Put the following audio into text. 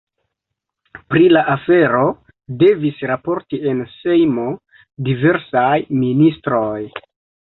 Pri la afero devis raporti en Sejmo diversaj ministroj.